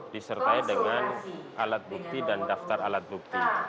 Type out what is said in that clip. disertai dengan alat bukti dan daftar alat bukti